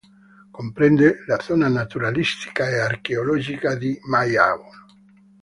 Comprende la zona naturalistica e archeologica di Maiano.